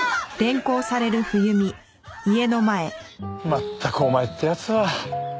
まったくお前って奴は。